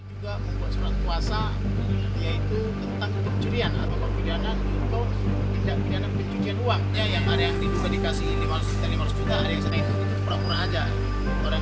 ini juga membuat sebuah kuasa yaitu tentang pencurian atau pembidanan untuk pindah pindahan pencurian uang